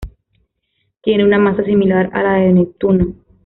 Tiene una masa similar a la de Neptuno.